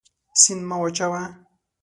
سیند مه وچوه.